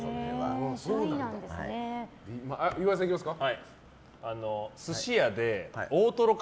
岩井さん、いきますか。